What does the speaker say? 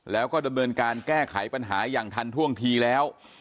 แล้วก็ดำเนินการแก้ไขปัญหาอย่างทันท่วงทีแล้ว